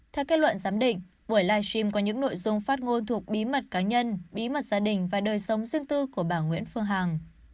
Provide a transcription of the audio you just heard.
theo kết luận giám định buổi live stream có những nội dung phát ngôn thuộc bí mật cá nhân bí mật gia đình và đời sống riêng tư của bà nguyễn phương hằng